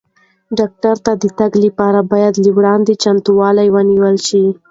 ډاکټر ته د تګ لپاره باید له وړاندې چمتووالی ونیول شي.